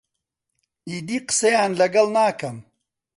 ئیدی قسەیان لەگەڵ ناکەم.